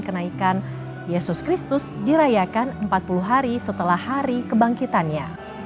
kenaikan yesus kristus dirayakan empat puluh hari setelah hari kebangkitannya